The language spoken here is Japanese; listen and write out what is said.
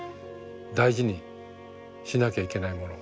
大事にしなきゃいけないもの。